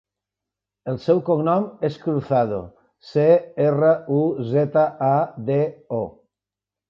El seu cognom és Cruzado: ce, erra, u, zeta, a, de, o.